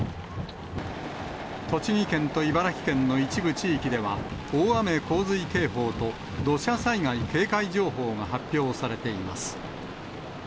栃木県と茨城県の一部地域では、大雨洪水警報と土砂災害警戒情報が発表されています。